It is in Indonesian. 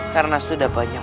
karena sudah banyak